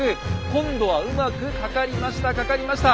今度はうまく掛かりました掛かりました。